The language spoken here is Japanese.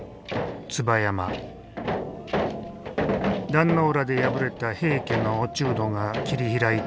壇ノ浦で敗れた平家の落人が切り開いたと伝わる。